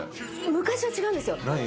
昔は違うんですよ